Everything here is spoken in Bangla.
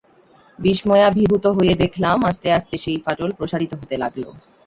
বিস্ময়াভিভূত হয়ে দেখলাম, আস্তে আস্তে সেই ফাটল প্রসারিত হতে লাগল।